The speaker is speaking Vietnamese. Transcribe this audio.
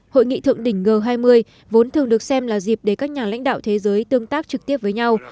hội nghị thượng đỉnh g hai mươi vốn thường được xem là dịp để các nhà lãnh đạo thế giới tương tác trực tiếp với nhau